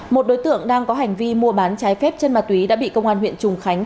một đối tượng đang có hành vi mua bán trái phép chân ma túy đã bị công an huyện trùng khánh